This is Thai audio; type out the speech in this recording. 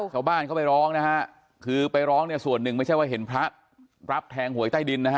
ชาวบ้านเขาไปร้องนะฮะคือไปร้องเนี่ยส่วนหนึ่งไม่ใช่ว่าเห็นพระรับแทงหวยใต้ดินนะฮะ